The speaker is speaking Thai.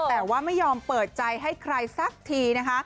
แต่ไม่ยอมเปิดใจให้ใครซักที